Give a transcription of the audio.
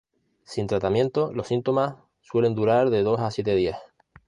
Sin tratamiento, los síntomas suelen durar de dos a siete días.